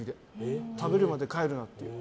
食べるまで帰るなって。